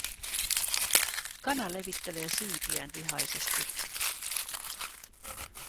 Kana levittelee siipiään vihaisesti.